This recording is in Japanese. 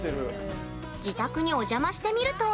自宅にお邪魔してみると。